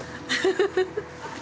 フフフフ。